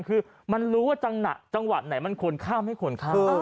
คือมันรู้มันจังหวัดไหนมันควรข้ามให้ควรข้าว